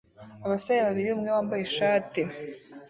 Abasore babiri umwe wambaye ishati